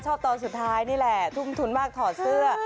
ตอนสุดท้ายนี่แหละทุ่มทุนมากถอดเสื้อ